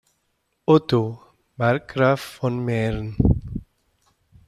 Otto, Markgraf von Mähren.